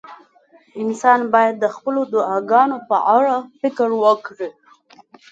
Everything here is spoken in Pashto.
انسان باید د خپلو دعاګانو په اړه فکر وکړي.